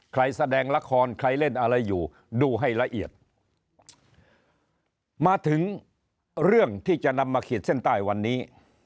แสดงละครใครเล่นอะไรอยู่ดูให้ละเอียดมาถึงเรื่องที่จะนำมาขีดเส้นใต้วันนี้